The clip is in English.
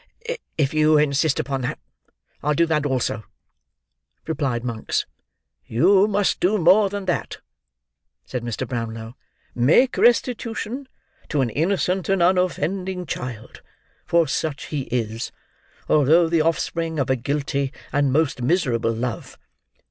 "If you insist upon that, I'll do that also," replied Monks. "You must do more than that," said Mr. Brownlow. "Make restitution to an innocent and unoffending child, for such he is, although the offspring of a guilty and most miserable love.